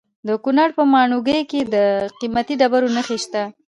د کونړ په ماڼوګي کې د قیمتي ډبرو نښې دي.